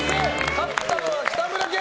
勝ったのは北村家！